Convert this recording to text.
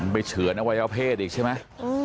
เฉือนอวัยวเพศอีกใช่ไหม